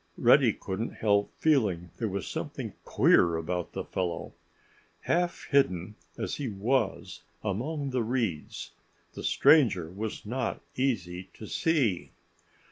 Reddy couldn't help feeling there was something queer about the fellow. Half hidden as he was among the reeds the stranger was not easy to see.